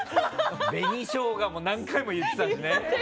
紅しょうがも何回も言ってたしね。